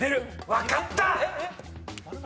わかった！